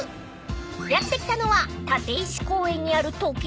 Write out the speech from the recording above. ［やって来たのは立石公園にある時計塔］